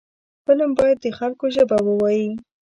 فلم باید د خلکو ژبه ووايي